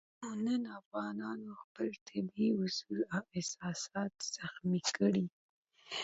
خو نن افغانانو خپل طبیعي اصول او اساسات زخمي کړي.